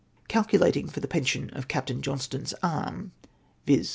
Calculating for the 'pension of Captain Johnstone's arm,, viz.